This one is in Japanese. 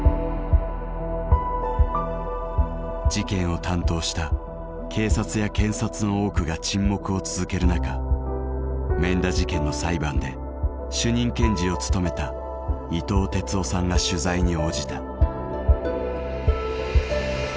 事件を担当した警察や検察の多くが沈黙を続ける中免田事件の裁判で主任検事を務めた伊藤鉄男さんが取材に応じた。